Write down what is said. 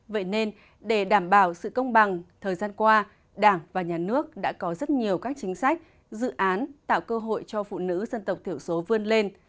vậy nên để đảm bảo sự công bằng thời gian qua đảng và nhà nước đã có rất nhiều các chính sách dự án tạo cơ hội cho phụ nữ dân tộc thiểu số vươn lên